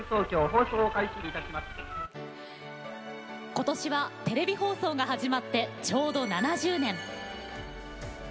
今年は、テレビ放送が始まってちょうど７０年。